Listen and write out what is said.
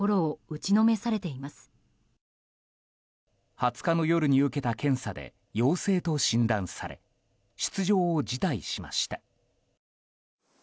２０日の夜に受けた検査で陽性と診断され出場を辞退しました。